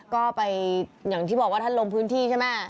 ก็ไปอย่างที่บอกว่าท่านลงพื้นที่ใช่ไหม